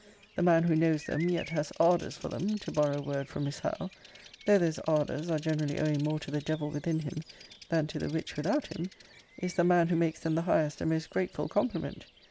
The man who knows them, yet has ardours for them, to borrow a word from Miss Howe,* though those ardours are generally owing more to the devil within him, than to the witch without him, is the man who makes them the highest and most grateful compliment.